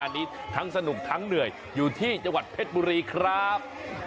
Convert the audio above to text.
อันนี้ทั้งสนุกทั้งเหนื่อยอยู่ที่จังหวัดเพชรบุรีครับ